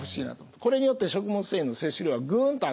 これによって食物繊維の摂取量はグンと上がります。